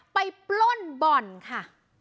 ปล้นบ่อนค่ะ